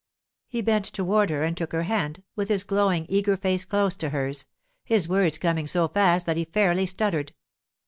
He bent toward her and took her hand, with his glowing, eager face close to hers, his words coming so fast that he fairly stuttered.